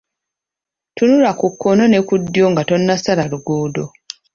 Tunula ku kkono ne ku ddyo nga tonnasala luguudo.